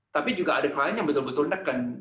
tapi juga ada klien yang betul betul neken